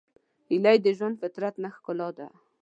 هیلۍ د ژوندي فطرت ښکلا ده